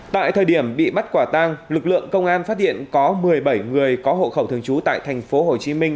tại thời điểm bị bắt quả tang lực lượng công an phát hiện có một mươi bảy người có hộ khẩu thường trú tại thành phố hồ chí minh